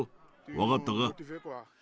分かったか？